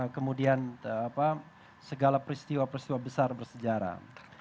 kemudian segala peristiwa peristiwa besar bersejarah